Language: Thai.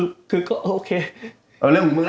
เอาเรื่องของมึงล่ะ